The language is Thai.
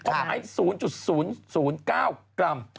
ของไอ้๐๐๐๙กรัม